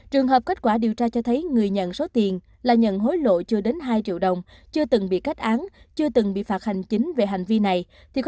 trường hợp kết quả điều tra cho thấy người nhận số tiền là nhận hối lộ chưa đến hai triệu đồng chưa từng bị kết án chưa từng bị phạt hành chính về hành vi này